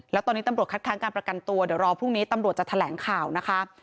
แล้วตอนนี้ตำรวจคัดค้างการประกันตัวเดี๋ยวรอพรุ่งนี้ตำรวจจะแถลงข่าวนะคะ